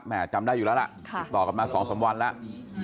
หมาจำได้อยู่แล้วค่ะตอกลับมาสองสามวันแล้ว